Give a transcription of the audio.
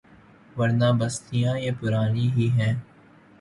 ورنہ بستیاں یہ پرانی ہی ہیں۔